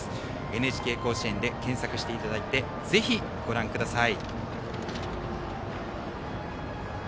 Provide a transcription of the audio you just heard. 「ＮＨＫ甲子園」で検索していただいてぜひご覧ください。